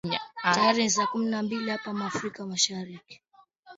tayari ni saa kumi na mbili hapa afrika mashariki